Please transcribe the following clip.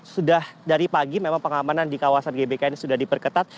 sudah dari pagi memang pengamanan di kawasan gbk ini sudah diperketat